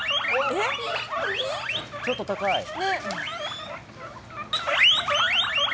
ちょっと高い。